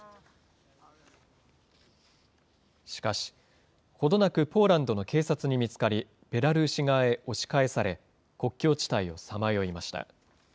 しかし、ほどなくポーランドの警察に見つかり、ベラルーシ側へ押し返され、国境地帯をさまよいました。